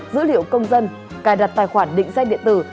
dữ liệu công dân cài đặt tài khoản định danh điện tử